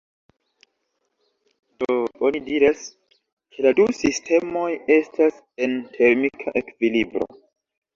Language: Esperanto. Do oni diras ke la du sistemoj estas en termika ekvilibro.